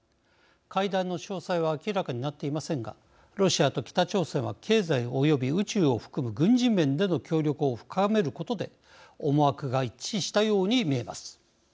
会談の詳細は明らかになっていませんがロシアと北朝鮮は経済および宇宙を含む軍事面での協力を深めることで思惑が一致したように見えます。